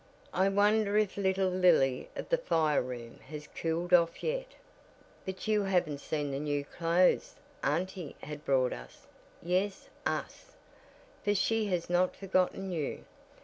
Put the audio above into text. I wonder if little Lily of the fire room has cooled off yet." "But you haven't seen the new clothes auntie had brought us yes us, for she has not forgotten you.